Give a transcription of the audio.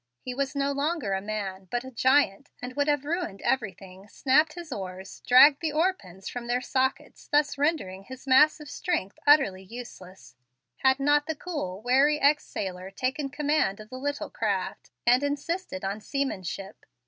He was no longer a man, but a giant, and would have ruined everything, snapped his oars, dragged the oar pins from their sockets, thus rendering his massive strength utterly useless, had not the cool, wary ex sailor taken command of the little craft, and insisted on seamanship.